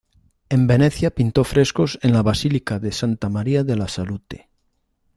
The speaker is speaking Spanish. En Venecia pintó frescos en la Basílica de Santa Maria della Salute.